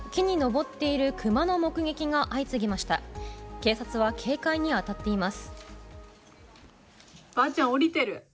警察は警戒に当たっています。